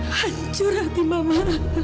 hancur hati mama